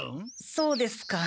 そうですか。